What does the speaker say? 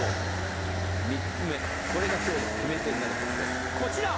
３つ目、これが今日の決め手になるはずです、こちら！